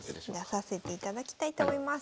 出させていただきたいと思います。